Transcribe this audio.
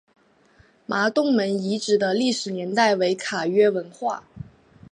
麻洞门遗址的历史年代为卡约文化。